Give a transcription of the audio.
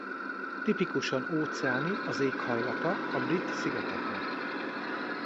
Tipikusan óceáni az éghajlata a Brit-szigeteknek.